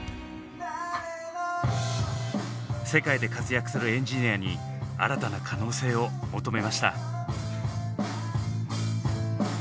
世界で活躍するエンジニアに新たな可能性を求めました。